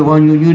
mất bao nhiêu